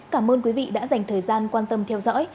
cảm ơn quý vị đã dành thời gian quan tâm theo dõi